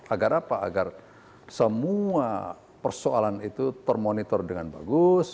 agar apa agar semua persoalan itu termonitor dengan bagus